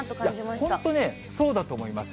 本当ね、そうだと思います。